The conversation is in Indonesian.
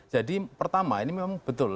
jadi pertama ini memang betul